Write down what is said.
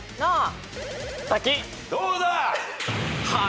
どうだ？